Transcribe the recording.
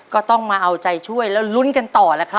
ก็ต้องมาเอาใจช่วยแล้ว